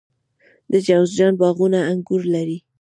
د جوزجان باغونه انګور لري.